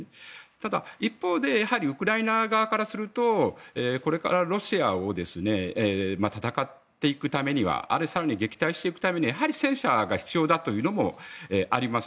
ただ一方でウクライナ側からするとこれからロシアと戦っていくためには更には撃退していくためには戦車が必要だというのもあります。